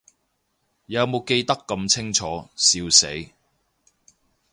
有無記得咁清楚，笑死